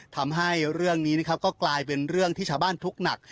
ทำให้เรื่องนี้นะครับก็กลายเป็นเรื่องที่ชาวบ้านทุกข์หนัก